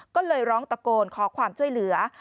ก็เลยร้องตะโกนขอความช่วยเหลือ